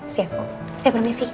siap bu saya permisi